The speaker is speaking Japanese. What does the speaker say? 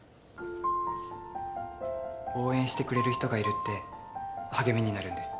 応援してくれる人がいるって励みになるんです。